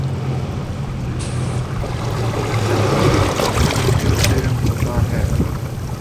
یہ مشکل ہوتا ہے